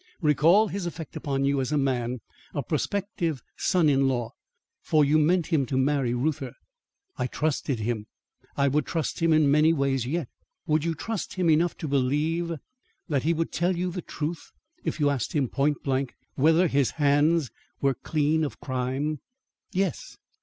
Recall his effect upon you as a man, a prospective son in law, for you meant him to marry Reuther." "I trusted him. I would trust him in many ways yet." "Would you trust him enough to believe that he would tell you the truth if you asked him point blank whether his hands were clean of crime?" "Yes."